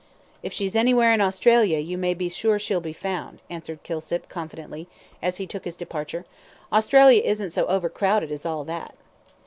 "If she's anywhere in Australia you may be sure she'll be found," answered Kilsip, confidently, as he took his departure. "Australia isn't so over crowded as all that."